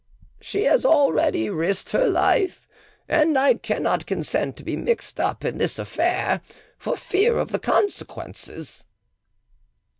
"She has already risked her life; and I cannot consent to be mixed up in this affair, for fear of the consequences."